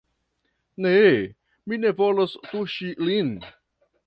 Ne, mi ne volas tuŝi lin!